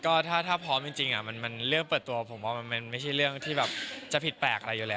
ก็ถ้าพร้อมจริงเรื่องเปิดตัวผมว่ามันไม่ใช่เรื่องที่แบบจะผิดแปลกอะไรอยู่แล้ว